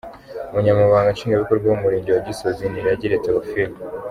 Umunyamabanga nshingwabikorwa w’ umurenge wa Gisozi Niragire Theophile.